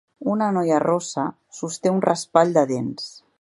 Una noia rossa sosté un raspall de dents.